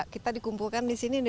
kita dikumpulkan di sini